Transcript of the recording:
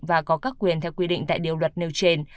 và có các quyền theo quy định tại điều luật nêu trên